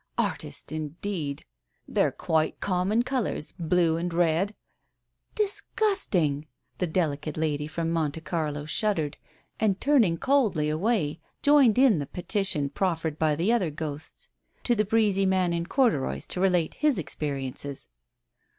Artist, indeed ! They're quite common colours — blue and red "" Disgusting !" The delicate lady from Monte Carlo shuddered, and turning coldly away, joined in the peti tion proffered by the other ghosts to the breezy man in corduroys, to relate his experiences.